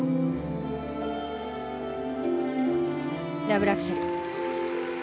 ダブルアクセル。